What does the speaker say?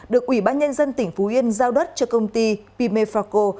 được ủy ban nhân dân tỉnh phú yên giao đất cho công ty pimefaco